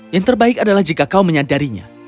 yang terbaik adalah jika kau menyadarinya